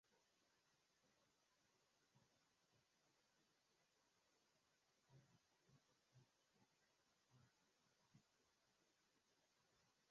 Inapashua ku enda ku uza mkanda kwa wa pango